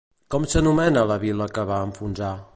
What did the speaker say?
Com s'anomena la vila que va enfonsar?